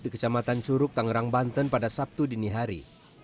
di kecamatan curug tangerang banten pada sabtu dini hari